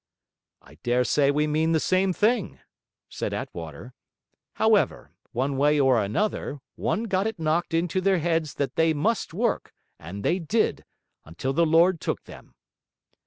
'I dare say we mean the same thing,' said Attwater. 'However, one way or another, one got it knocked into their heads that they MUST work, and they DID... until the Lord took them!'